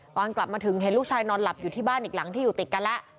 ตอนกลับมาถึงเห็นลูกชายนอนหลับอยู่ที่บ้านอีกหลังที่อยู่ติดกันแล้ว